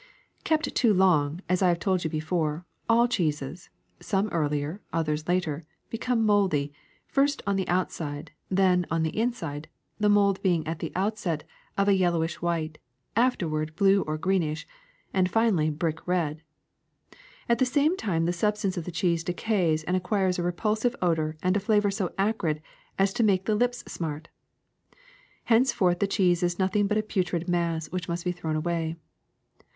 Kept too long, as I have told you before, all cheeses, some earlier, others later, become moldy, first on the outside, then on the inside, the mold being at the outset of a vellowish white, afterw^ard blue or greenish, and finally brick red. At the same time the substance of the cheese decays and acquires a re pulsive odor and a flavor so acrid as to make the lips smart. Henceforth the cheese is nothing but a putrid mass which must be thrown away.